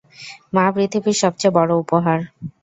মা পৃথিবীর সবচেয়ে বড় উপহার।